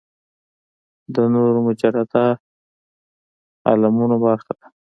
د نورو مجرده عالمونو برخه ده.